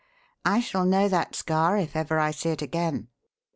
I shall know that scar if ever I see it again.